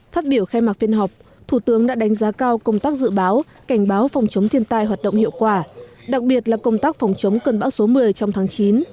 phát biểu khai mạc phiên họp thủ tướng đã đánh giá cao công tác dự báo cảnh báo phòng chống thiên tai hoạt động hiệu quả đặc biệt là công tác phòng chống cơn bão số một mươi trong tháng chín